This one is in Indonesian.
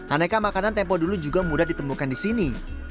aneka makanan tempo dulu juga mudah ditemukan di sini